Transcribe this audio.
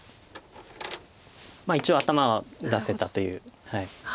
一応頭は出せたという。